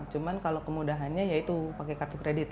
cuma kalau kemudahannya ya itu pakai kartu kredit